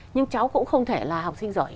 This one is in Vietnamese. nhưng cháu cũng không thể là học sinh giỏi